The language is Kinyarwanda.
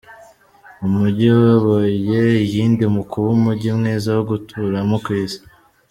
Umujyi uyoboye iyindi mu kuba umujyi mwiza wo guturamo ku isi.